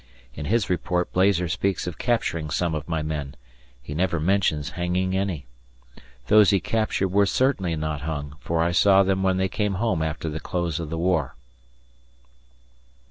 In his report Blazer speaks of capturing some of my men; he never mentions hanging any. Those he captured were certainly not hung, for I saw them when they came home after the close of the war.